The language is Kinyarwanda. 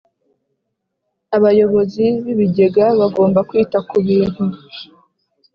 Abayobozi b ibigega bagomba kwita ku bintu